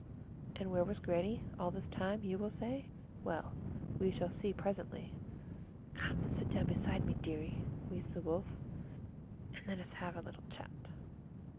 And where was Grannie all this time, you will say? Well, we shall see presently. "Come and sit down beside my bed, dearie," wheezed the Wolf, "and let us have a little chat."